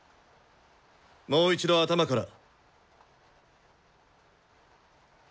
もう一度頭から。